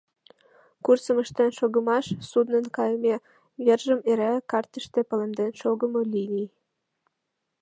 Курсым ыштен шогымаш — суднын кайыме вержым эреак картыште палемден шогымо линий.